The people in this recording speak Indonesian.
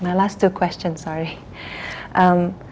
baiklah pertanyaan terakhir saya